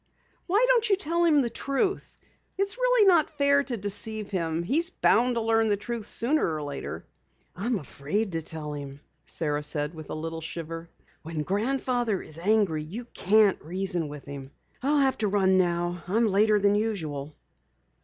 "Why don't you tell him the truth? It's really not fair to deceive him. He's bound to learn the truth sooner or later." "I'm afraid to tell him," Sara said with a little shiver. "When grandfather is angry you can't reason with him. I'll have to run now. I'm later than usual."